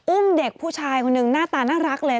อุ้มเด็กผู้ชายคนหนึ่งหน้าตาน่ารักเลย